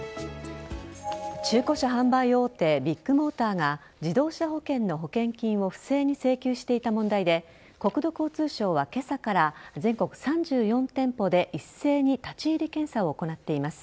中古車販売大手ビッグモーターが自動車保険の保険金を不正に請求していた問題で国土交通省は今朝から全国３４店舗で一斉に立ち入り検査を行っています。